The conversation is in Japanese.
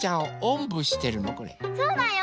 そうだよ！